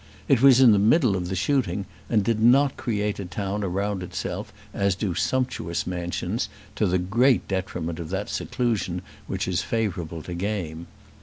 It was in the middle of the shooting, and did not create a town around itself as do sumptuous mansions, to the great detriment of that seclusion which is favourable to game.